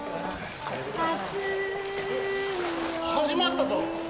・始まったぞ。